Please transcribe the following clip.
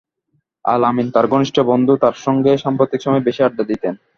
আল-আমিন তাঁর ঘনিষ্ঠ বন্ধু, তাঁর সঙ্গেই সাম্প্রতিক সময়ে বেশি আড্ডা দিতেন।